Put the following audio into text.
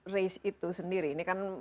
race itu sendiri ini kan